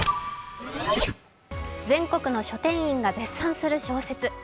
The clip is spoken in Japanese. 全国の書店員が絶賛する小説